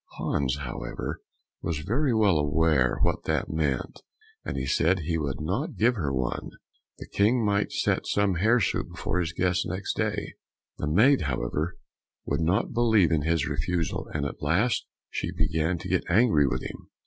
Hans, however, was very well aware what that meant, and said he would not give her one; the King might set some hare soup before his guest next day. The maid, however, would not believe in his refusal, and at last she began to get angry with him.